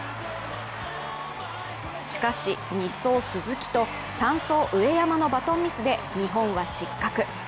しかし、２走・鈴木と３走・上山のバトンミスで日本は失格。